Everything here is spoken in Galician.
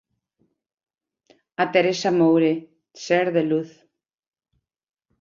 A Teresa Moure: ser de luz.